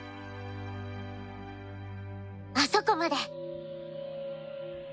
あそこまで。